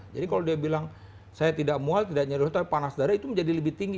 jadi kalau dia bilang saya tidak mual tidak nyari huluh hati panas darah itu menjadi lebih tinggi